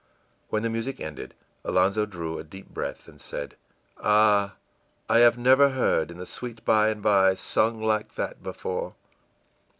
When the music ended, Alonzo drew a deep breath, and said, ìAh, I never have heard 'In the Sweet By and by' sung like that before!